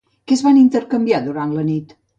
Què es van intercanviar durant la nit?